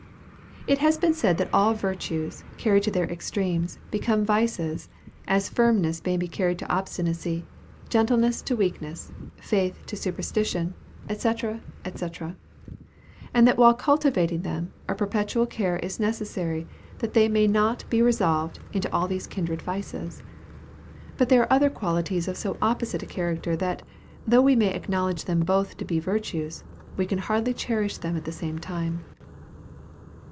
It has been said that all virtues, carried to their extremes, become vices, as firmness may be carried to obstinacy, gentleness to weakness, faith to superstition, &c., &c. and that while cultivating them, a perpetual care is necessary that they may not be resolved into those kindred vices. But there are other qualities of so opposite a character, that, though we may acknowledge them both to be virtues, we can hardly cherish them at the same time.